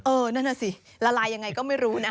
นั่นน่ะสิละลายยังไงก็ไม่รู้นะ